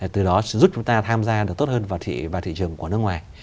từ đó sẽ giúp chúng ta tham gia được tốt hơn vào thị trường của nước ngoài